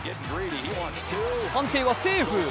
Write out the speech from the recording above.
判定はセーフ。